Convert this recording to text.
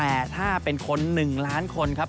แต่ถ้าเป็นคน๑ล้านคนครับ